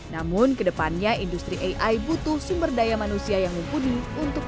namun kedepannya industri ai butuh sumber daya manusia yang mumpuni untuk menjaga keuntungan